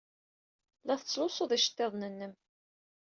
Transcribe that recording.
La tettlusud iceḍḍiḍen-nnem.